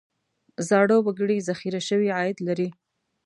زاړه وګړي ذخیره شوی عاید لري.